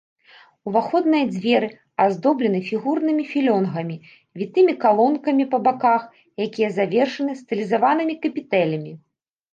Уваходныя дзверы аздоблены фігурнымі філёнгамі, вітымі калонкамі па баках, якія завершаны стылізаванымі капітэлямі.